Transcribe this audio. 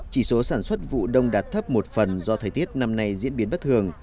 chỉ số sản xuất vụ đông đạt thấp một phần do thời tiết năm nay diễn biến bất thường